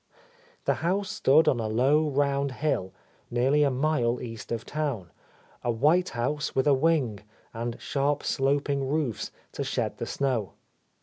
The house stood on a low round hill, nearly a mile east of town ; a white house with a wing, and sharp sloping roofs to shed the snow.